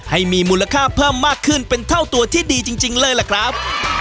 ให้มีมูลค่าเพิ่มมากขึ้นเป็นเท่าตัวที่ดีจริงเลยล่ะครับ